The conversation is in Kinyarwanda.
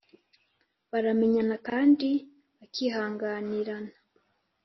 Baramenyana kandi bakihanganirana